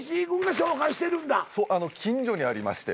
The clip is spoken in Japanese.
近所にありまして。